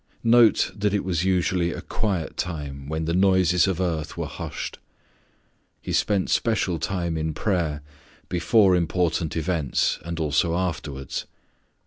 Note that it was usually a quiet time when the noises of earth were hushed. He spent special time in prayer before important events and also afterwards.